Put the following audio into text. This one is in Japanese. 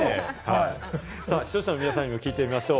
視聴者の皆さんにも聞いてみましょう。